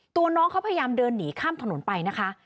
น้องเขาพยายามเดินหนีข้ามถนนไปนะคะ